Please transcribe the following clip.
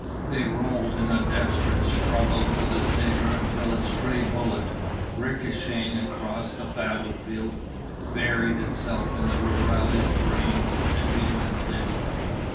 They rolled in a desperate struggle for the saber until a stray bullet, ricocheting across the battle field, buried itself in the rurale's brain and he went limp.